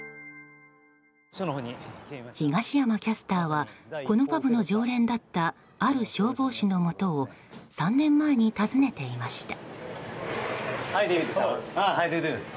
東山キャスターはこのパブの常連だったある消防士のもとを３年前に訪ねていました。